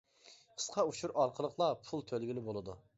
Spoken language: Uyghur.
قىسقا ئۇچۇر ئارقىلىقلا پۇل تۆلىگىلى بولىدۇ!